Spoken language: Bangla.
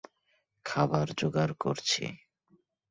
খাবার জোগাড় করছি।